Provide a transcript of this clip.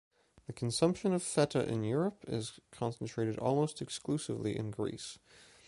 The consumption of feta in Europe is concentrated almost exclusively in Greece.